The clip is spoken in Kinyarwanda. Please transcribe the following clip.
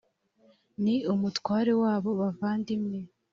ni umutware wabo bavandimwe